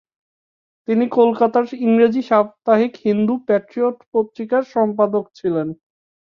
তিনি কলকাতার ইংরাজী সাপ্তাহিক হিন্দু প্যাট্রিয়ট পত্রিকার সম্পাদক হন।